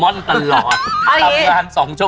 โปรนัสที่เข้ากับ๓เดือนแล้วมันไม่ได้โปรนัสเลย